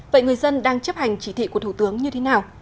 vậy người dân đang chấp hành chỉ thị của thủ tướng như thế nào